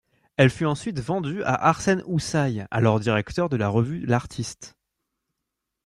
Elle fut ensuite vendue à Arsène Houssaye, alors directeur de la revue l'Artiste.